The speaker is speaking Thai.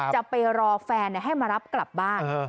จะไปรอแฟนให้มารับกลับบ้าน